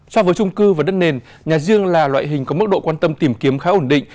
so với trung cư và đất nền nhà riêng là loại hình có mức độ quan tâm tìm kiếm khá ổn định